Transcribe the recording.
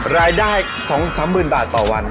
รายได้๒๓หมื่นบาทต่อวัน